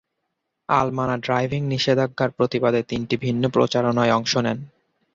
আল-মানা driving নিষেধাজ্ঞার প্রতিবাদে তিনটি ভিন্ন প্রচারণায় অংশ নেন।